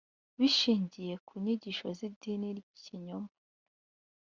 bishingiye ku nyigisho z idini ry ikinyoma